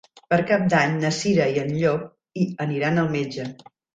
Per Cap d'Any na Cira i en Llop aniran al metge.